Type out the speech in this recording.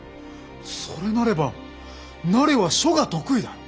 それなれば汝は書が得意だ。